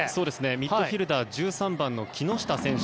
ミッドフィールダー１３番の木下選手